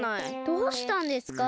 どうしたんですか？